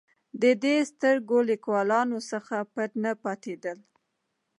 د دې سترګور لیکوالانو څخه پټ نه پاتېدل.